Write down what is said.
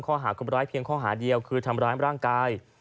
ข้อหาคนร้ายเพียงข้อหาเดียวคือทำร้ายร่างกาย